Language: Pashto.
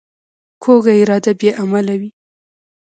کوږه اراده بې عمله وي